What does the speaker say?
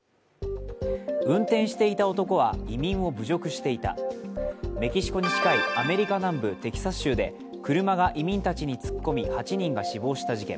運転していた男は移民を侮辱していた、メキシコに近いアメリカ南部テキサス州で車が移民たちに突っ込み８人が死亡した事件。